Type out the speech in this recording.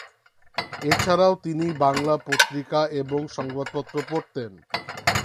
এছাড়াও তিনি বাংলা পত্রিকা এবং সংবাদপত্র পড়তেন।